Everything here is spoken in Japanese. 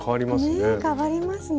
ねえ変わりますね。